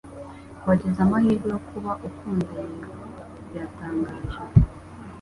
wagize amahirwe yo kuba ukunda Yego biratangaje